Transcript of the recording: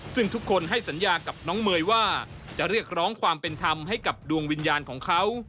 ซึ่งทุกคนให้สัญญากับน้องเมยว่าจะเรียกร้องความเป็นธรรมให้กับดวงวิญญาณของเขา